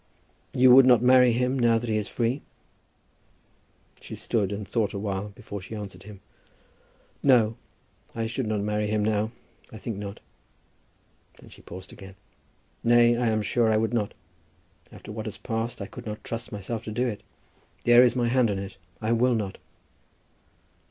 "You would not marry him, now that he is free?" She stood and thought a while before she answered him. "No, I should not marry him now. I think not." Then she paused again. "Nay, I am sure I would not. After what has passed I could not trust myself to do it. There is my hand on it. I will not."